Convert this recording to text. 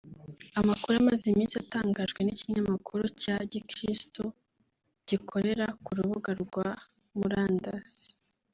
Amakuru amaze iminsi atangajwe n’ ikinyamakuru cya Gikristo gikorera ku rubuga rwa murandasi